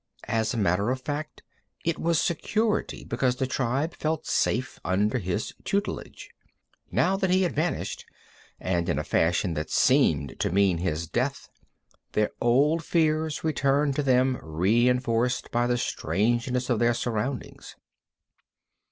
As a matter of fact, it was security because the tribe felt safe under his tutelage. Now that he had vanished, and in a fashion that seemed to mean his death, their old fears returned to them reenforced by the strangeness of their surroundings.